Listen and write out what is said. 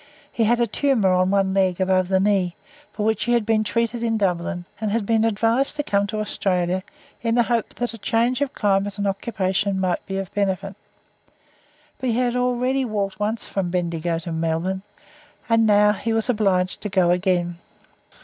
He had a tumour on one leg above the knee, for which he had been treated in Dublin, and had been advised to come to Australia, in the hope that a change of climate and occupation might be of benefit, but he had already walked once from Bendigo to Melbourne, and now he was obliged to go again.